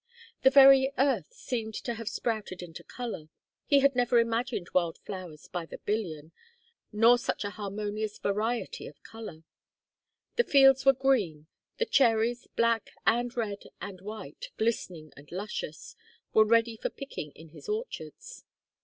The very earth seemed to have sprouted into color. He had never imagined wild flowers by the billion, nor such a harmonious variety of color. The fields were green, the cherries, black and red and white, glistening and luscious, were ready for picking in his orchards.